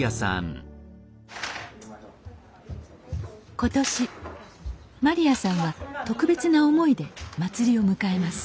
今年まりやさんは特別な思いで祭りを迎えます